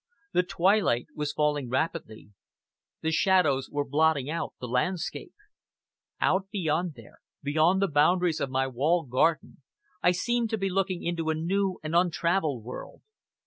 The twilight was falling rapidly; the shadows were blotting out the landscape. Out beyond there, beyond the boundaries of my walled garden, I seemed to be looking into a new and untravelled world.